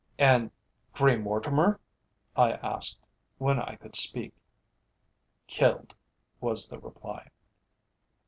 "And Grey Mortimer?" I asked, when I could speak. "Killed," was the reply.